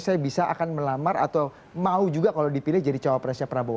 saya bisa akan melamar atau mau juga kalau dipilih jadi cawapresnya prabowo